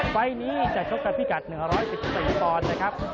ไฟล์นี้จะชกกับพี่กัด๑๑๔ตอนนะครับ